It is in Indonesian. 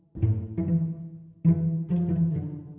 pindah dalem ya